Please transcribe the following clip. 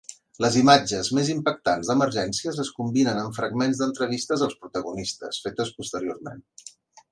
Les imatges més impactants d'Emergències es combinen amb fragments d'entrevistes als protagonistes, fetes posteriorment.